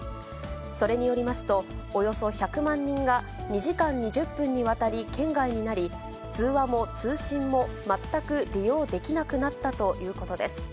それによりますと、およそ１００万人が、２時間２０分にわたり圏外になり、通話も通信も全く利用できなくなったということです。